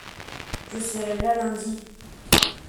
je serai là lundi.